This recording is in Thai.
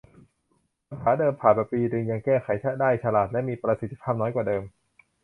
ปัญหาเดิมผ่านมาปีนึงยังแก้ได้ฉลาดและมีประสิทธิภาพน้อยเท่าเดิม